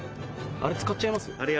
あれ使っちゃいます？